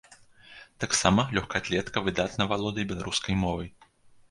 Таксама лёгкаатлетка выдатна валодае беларускай мовай.